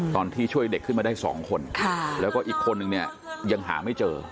ตอนที่ช่วยเด็กขึ้นมาได้๒คนแล้วก็อีกคนนึงเนี่ยยังหาไม่เจอ